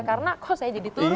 karena kok saya jadi turun ya